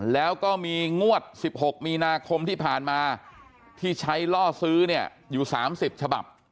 แล้วก็มีงวด๑๖มีนาคมที่ผ่านมาที่ใช้ล่อซื้อเนี่ยอยู่๓๐ฉบับ